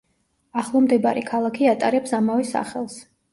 ახლომდებარე ქალაქი ატარებს ამავე სახელს.